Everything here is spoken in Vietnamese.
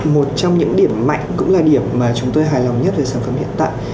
một trong những điểm mạnh cũng là điểm mà chúng tôi hài lòng nhất về sản phẩm hiện tại